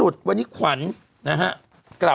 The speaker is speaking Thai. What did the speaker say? ช่อง๓